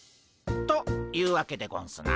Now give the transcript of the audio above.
というわけでゴンスな？